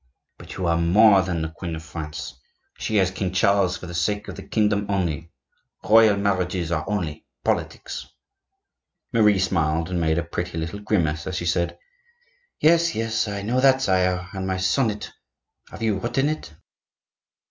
"But you are more than the Queen of France. She has King Charles for the sake of the kingdom only; royal marriages are only politics." Marie smiled and made a pretty little grimace as she said: "Yes, yes, I know that, sire. And my sonnet, have you written it?"